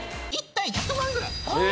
１たい１００万ぐらい。